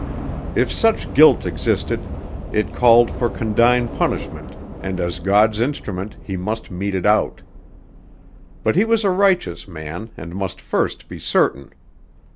If such guilt existed, it called for condign punishment and as God's instrument he must mete it out. But he was a righteous man and must first be certain.